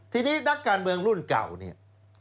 ทีนี้นักการเมืองรุ่นเก่าเนี่ย